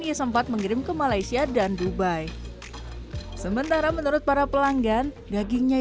ia sempat mengirim ke malaysia dan dubai sementara menurut para pelanggan dagingnya